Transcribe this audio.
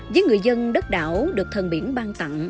với người dân đất đảo được thần biển ban tặng